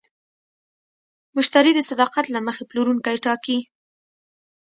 مشتری د صداقت له مخې پلورونکی ټاکي.